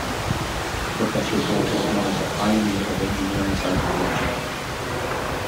Professor Bolt was known as pioneer of engineering seismology.